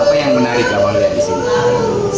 apa yang menarik kalau lihat di sini